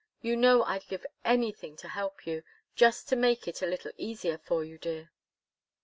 You know I'd give anything to help you just to make it a little easier for you, dear."